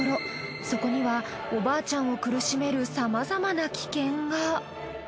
そこにはおばあちゃんを苦しめるさまざまな危険が。